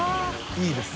いいです。